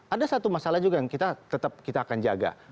ada satu masalah juga yang kita tetap kita akan jaga